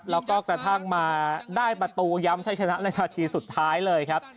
แล้วก็กระทั่งมาได้ประตูย้ำใช้ชนะในนาทีสุดท้ายเลยครับ